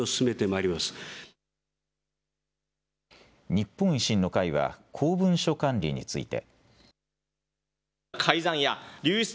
日本維新の会は公文書管理について。